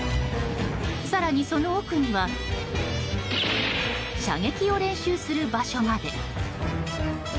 更に、その奥には射撃を練習する場所まで。